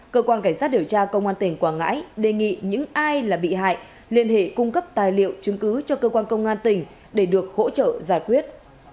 cơ quan cảnh sát điều tra công an tỉnh quảng ngãi đề nghị những ai là bị hại liên hệ cung cấp tài liệu chứng cứ cho cơ quan công an tỉnh để được hỗ trợ giải quyết